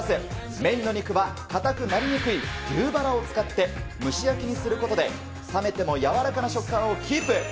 メインの肉は硬くなりにくい牛バラを使って、蒸し焼きにすることで、冷めても軟らかな食感をキープ。